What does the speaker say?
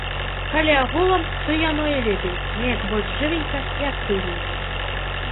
Калі агулам, то яно і лепей, неяк больш жывенька і актыўненька.